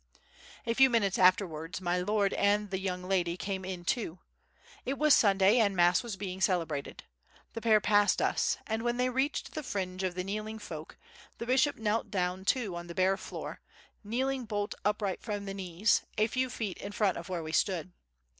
A few minutes afterwards my Lord and the young lady came in too. It was Sunday and mass was being celebrated. The pair passed us and, when they reached the fringe of the kneeling folk, the bishop knelt down too on the bare floor, kneeling bolt upright from the knees, a few feet in front of where we stood.